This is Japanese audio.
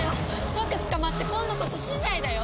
即捕まって今度こそ死罪だよ！？